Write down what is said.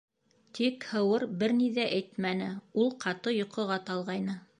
Тик Һыуыр бер ни ҙә әйтмәне —ул ҡаты йоҡоға талғайны.